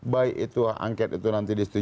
baik itu angket itu nanti disediakan